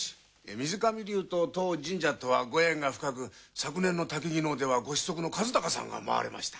水上流と当神社とはご縁が深く昨年の薪能ではご子息の和鷹さんが舞われました。